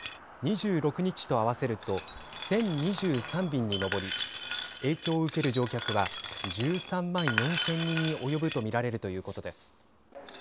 ２６日と合わせると１０２３便に上り影響を受ける乗客は１３万４０００人に及ぶと見られるということです。